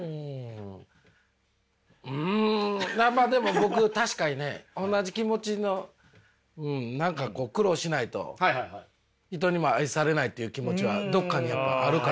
うんまあでも僕確かにね同じ気持ちの何かこう苦労しないと人にも愛されないっていう気持ちはどっかにやっぱあるから。